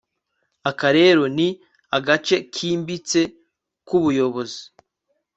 aka rero, ni agace kimbitse k'ubuyobozi